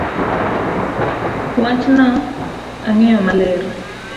Wachno ang'eyo maler